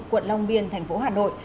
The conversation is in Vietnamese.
quận long biên thành phố hà nội